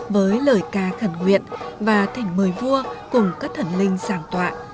với lời ca khẩn nguyện và thỉnh mời vua cùng các thần linh giảng tọa